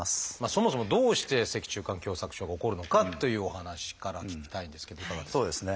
そもそもどうして脊柱管狭窄症が起こるのかっていうお話から聞きたいんですけどいかがですか？